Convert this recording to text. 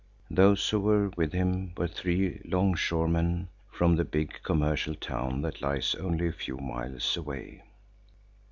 Those who were with him were three longshoremen from the big commercial town that lies only a few miles away.